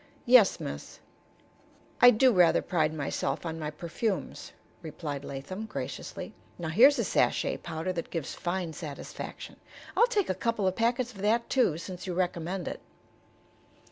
"Yes, miss, I do rather pride myself on my perfumes," replied Latham, graciously. "Now here's a sachet powder that gives fine satisfaction." "I'll take a couple of packets of that, too, since you recommend it."